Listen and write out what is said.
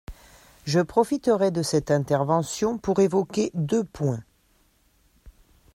Je profiterai de cette intervention pour évoquer deux points.